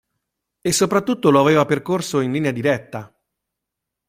E soprattutto lo aveva percosso in linea diretta.